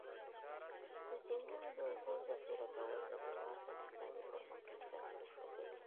د سیندونو د اوبو ذخیره کول د هېواد اقتصادي پرمختګ سره مرسته کوي.